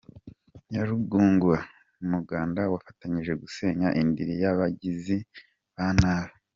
Nyarugunga Umuganda wabafashije gusenya indiri y’abagizi ba nabi